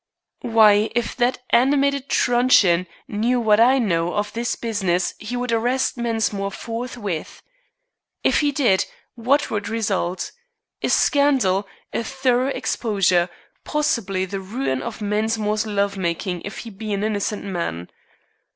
"Why, if that animated truncheon knew what I know of this business he would arrest Mensmore forthwith. If he did, what would result? A scandal, a thorough exposure, possibly the ruin of Mensmore's love making if he be an innocent man.